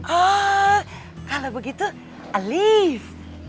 oh kalau begitu alif